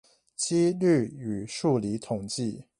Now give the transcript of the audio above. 機率與數理統計